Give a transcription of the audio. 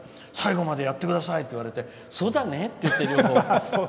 最後までやってくださいってそうだねって言って。